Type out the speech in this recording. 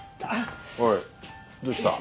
おいどうした？